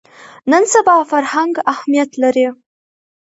نن سبا فرهنګ اهمیت لري